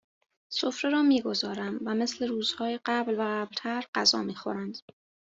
سفره را میگذارم و مثل روزهای قبل و قبلتر غذا میخورند